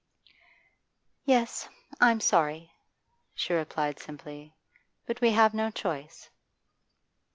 'Yes, I'm sorry,' she replied simply, 'but we have no choice.